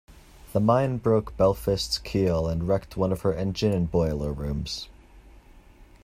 The mine broke "Belfast"s keel, and wrecked one of her engine and boiler rooms.